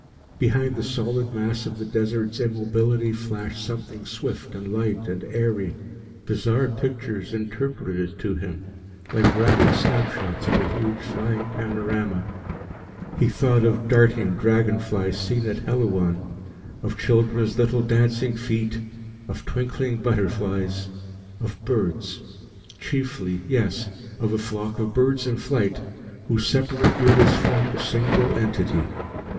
Behind the solid mass of the Desert's immobility flashed something swift and light and airy. Bizarre pictures interpreted it to him, like rapid snap shots of a huge flying panorama: he thought of darting dragon flies seen at Helouan, of children's little dancing feet, of twinkling butterflies of birds. Chiefly, yes, of a flock of birds in flight, whose separate units formed a single entity.